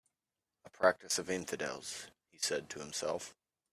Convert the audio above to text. "A practice of infidels," he said to himself.